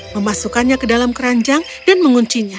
memasukkannya ke dalam keranjang dan menguncinya